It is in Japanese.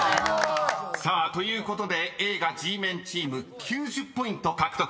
［さあということで映画Ｇメンチーム９０ポイント獲得］